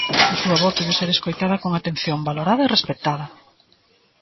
A súa voz debe ser escoitada con atención, valorada e respectada.